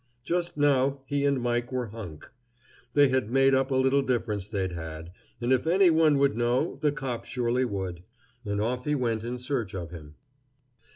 Just now he and Mike were hunk. They had made up a little difference they'd had, and if any one would know, the cop surely would. And off he went in search of him.